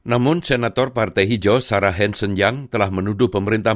namun senator partai hijau sarah hen senjang telah menuduh pemerintah